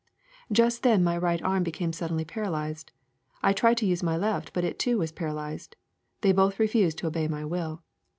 *' 'Just then my right arm became suddenly para lyzed. I tried to use my left, but it too was para lyzed. They both refused to obey my will.